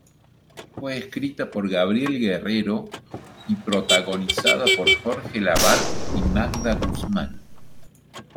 Fue escrita por Gabriel Guerrero y protagonizada por Jorge Lavat y Magda Guzmán.